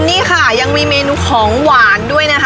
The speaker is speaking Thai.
นี่ค่ะยังมีเมนูของหวานด้วยนะคะ